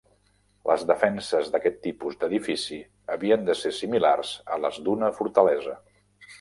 Les defenses d'aquest tipus d'edifici havien de ser similars a les d'una fortalesa.